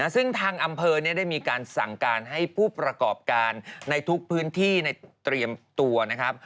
ซึ่งทางอำเภอได้มีการสั่งการให้ผู้ประกอบการในทุกพื้นที่ในเตรียมตัวนะครับ